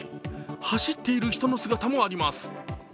走っている人の姿もあります。